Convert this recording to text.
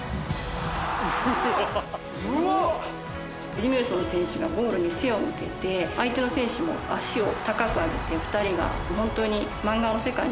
エジミウソン選手がゴールに背を向けて相手の選手も足を高く上げて２人が本当に。